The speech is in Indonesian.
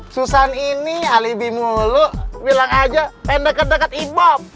susan ini alibi mulu bilang aja pendekat dekat ibob